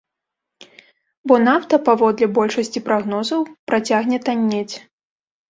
Бо нафта, паводле большасці прагнозаў, працягне таннець.